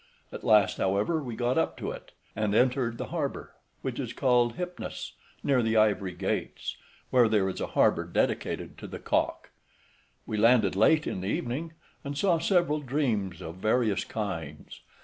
At last, however, we got up to it, and entered the harbour, which is called Hypnus, {136a} near the ivory gates, where there is a harbour dedicated to the cock. {136b} We landed late in the evening, and saw several dreams of various kinds.